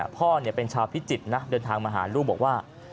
พ่อเป็นชาวพิจิตรนะเดินทางมาหาลูกบอกว่า